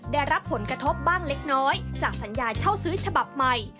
ได้รับผลกระทบบ้างเล็กน้อยจากสัญญาเช่าซื้อฉบับใหม่